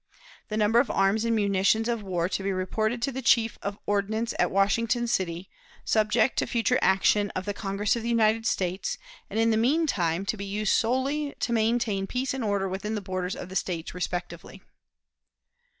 The number of arms and munitions of war to be reported to the chief of ordnance at Washington City, subject to future action of the Congress of the United States, and in the mean time to be used solely to maintain peace and order within the borders of the States respectively.